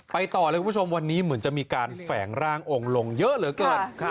ต่อเลยคุณผู้ชมวันนี้เหมือนจะมีการแฝงร่างองค์ลงเยอะเหลือเกิน